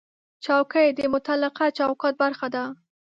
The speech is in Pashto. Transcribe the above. چوکۍ د متعلقه چوکاټ برخه ده.